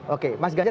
oke mas ganjar